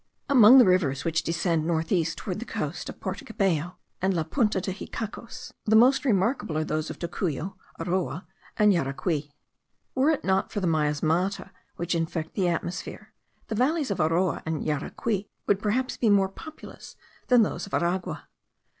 Among the rivers which descend north east toward the coast of Porto Cabello, and La Punta de Hicacos, the most remarkable are those of Tocuyo, Aroa, and Yaracuy. Were it not for the miasmata which infect the atmosphere, the valleys of Aroa and of Yaracuy would perhaps be more populous than those of Aragua.